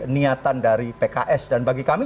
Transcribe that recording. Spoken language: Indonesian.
niatan dari pks dan bagi kami